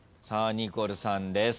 ニコルさんです。